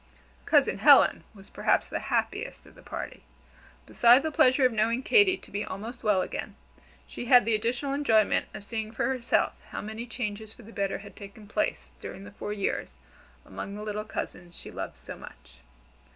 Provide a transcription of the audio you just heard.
Cousin Helen was perhaps the happiest of the party. Beside the pleasure of knowing Katy to be almost well again, she had the additional enjoyment of seeing for herself how many changes for the better had taken place, during the four years, among the little cousins she loved so much.